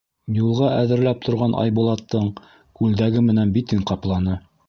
Юлға әҙерләп торған Айбулаттың күлдәге менән битен ҡапланы.